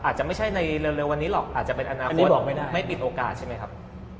อาจจะไม่ใช่ในเร็ววันนี้หรอกอาจจะเป็นอนาคตไม่ปิดโอกาสใช่ไหมครับ